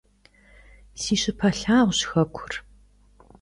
Си щыпэ лъагъущ хэкур.